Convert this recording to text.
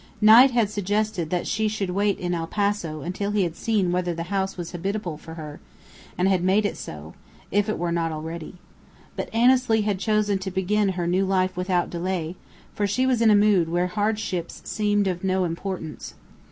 Knight had suggested that she should wait in El Paso until he had seen whether the house was habitable for her, and had made it so, if it were not already. But Annesley had chosen to begin her new life without delay, for she was in a mood where hardships seemed of no importance.